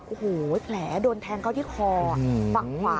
โอ้โหแผลโดนแทงเข้าที่คอฝั่งขวา